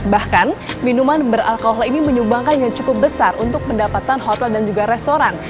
bahkan minuman beralkohol ini menyumbangkan yang cukup besar untuk pendapatan hotel dan juga restoran